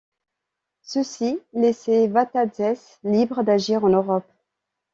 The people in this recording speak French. Ceci laissait Vatatzès libre d’agir en Europe.